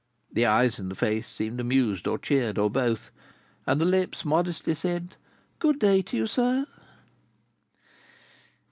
The eyes in the face seemed amused, or cheered, or both, and the lips modestly said: "Good day to you, sir."